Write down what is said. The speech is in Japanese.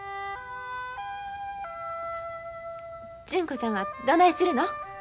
純子ちゃんはどないするの？